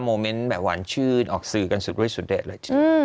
โมเมนต์แบบหวานชื่นออกสื่อกันสุดด้วยสุดเด็ดเลยจริง